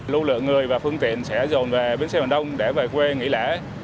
lưu lượng người và phương tiện sẽ dồn về bến xe miền đông để về quê nghỉ lễ